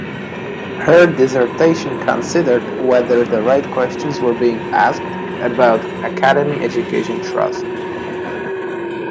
Her dissertation considered whether the right questions were being asked about academy education trusts.